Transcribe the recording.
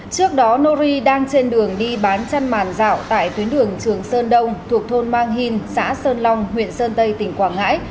trước đó nori đang trên đường đi bán chăn màn dạo tại tuyến đường trường sơn đông thuộc thôn mang hìn xã sơn long huyện sơn tây tỉnh quảng ngãi